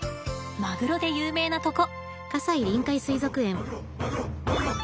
マグロで有名なとこ。